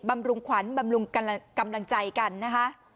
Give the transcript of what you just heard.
ำรุงขวัญบำรุงกำลังใจกันนะคะ